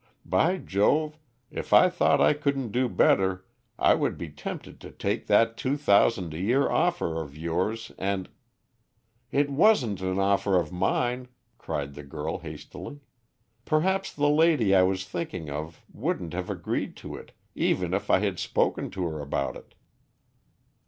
By Jove, if I thought I couldn't do better, I would be tempted to take that two thousand a year offer of yours and " "It wasn't an offer of mine," cried the girl hastily. "Perhaps the lady I was thinking of wouldn't have agreed to it, even if I had spoken to her about it."